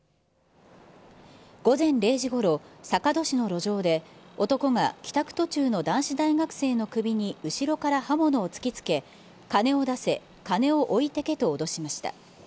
午前０時ごろ、坂戸市の路上で、男が帰宅途中の男子大学生の首に後ろから刃物を突きつけ、金を出せ、金を置いてけと脅しました。